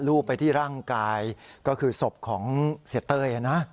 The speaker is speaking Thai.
รูปไปที่ร่างกายก็คือศพของเสียเต้ยนะ